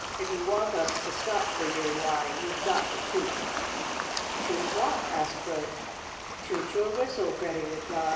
"If you want us to stop for you, why, you've got to toot." "Toot what?" asked Bert. "Toot your whistle," Freddie replied.